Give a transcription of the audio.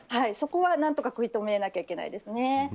そこは何とか食い止めなきゃいけないですね。